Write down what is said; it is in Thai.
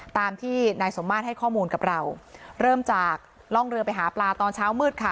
ตามที่นายสมมาตรให้ข้อมูลกับเราเริ่มจากล่องเรือไปหาปลาตอนเช้ามืดค่ะ